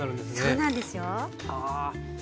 そうなんですよ。